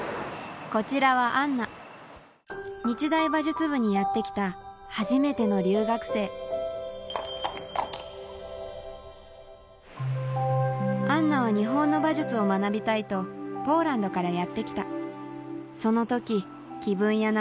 こちらはアンナ日大馬術部にやって来た初めての留学生アンナは日本の馬術を学びたいとポーランドからやって来たその時気分屋な